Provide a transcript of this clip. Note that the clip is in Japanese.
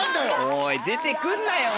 おい出て来んなよ